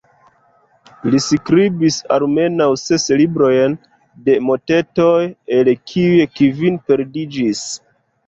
Li skribis almenaŭ ses librojn de motetoj, el kiuj kvin perdiĝis.